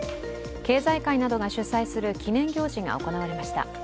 経済界などが主催する記念行事が行われました。